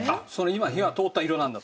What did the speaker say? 今火が通った色なんだ。